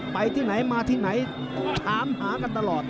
ไปที่ไหนมาที่ไหนถามหากันตลอด